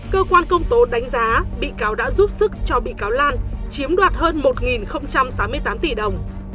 cơ quan công tố đánh giá bị cáo đã giúp sức cho bị cáo lan chiếm đoạt hơn một tám mươi tám tỷ đồng